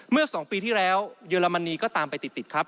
เมื่อ๒ปีที่แล้วเยอรมนีก็ตามไปติดครับ